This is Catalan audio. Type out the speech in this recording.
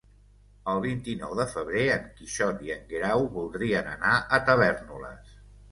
El vint-i-nou de febrer en Quixot i en Guerau voldrien anar a Tavèrnoles.